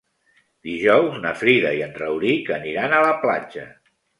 Dijous na Frida i en Rauric aniran a la platja.